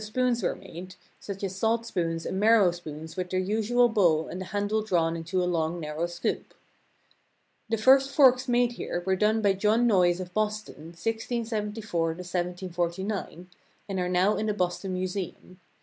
Adam design spoons were made, such as salt spoons and marrow spoons with their usual bowl and the handle drawn into a long narrow scoop. The first forks made here were done by John Noyes of Boston, 1 674 1 749, and are now in the Boston Museum.